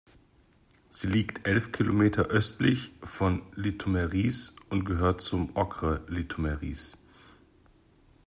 Sie liegt elf Kilometer östlich von Litoměřice und gehört zum Okres Litoměřice.